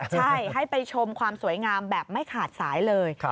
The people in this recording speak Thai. ใช่ให้ไปชมความสวยงามแบบไม่ขาดสายเลย